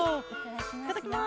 いただきます。